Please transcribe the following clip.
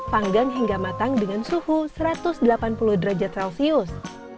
panggang hingga matang dengan suhu satu ratus delapan puluh derajat celcius